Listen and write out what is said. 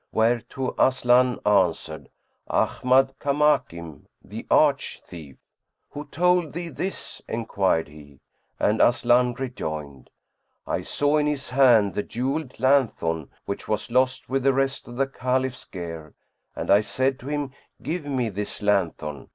whereto Aslan answered, "Ahmad Kamakim the arch thief." "Who told thee this?" enquired he, and Aslan rejoined, "I saw in his hand the jewelled lanthorn which was lost with the rest of the Caliph's gear, and I said to him, 'Give me this lanthorn!'